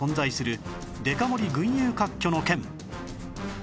群雄割拠の県